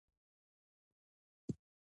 مقالې باید د ځانګړو اصولو سره سمې وي.